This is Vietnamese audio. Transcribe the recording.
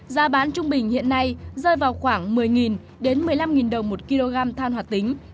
giá bán trung bình hiện nay rơi vào khoảng một mươi một mươi năm đồng một kg than hoạt tính